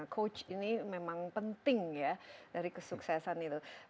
coach ini memang penting ya dari kesuksesan itu